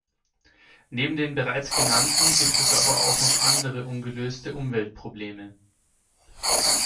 Neben den bereits genannten gibt es aber auch noch andere ungelöste Umweltprobleme.